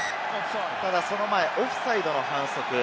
ただその前、オフサイドの反則。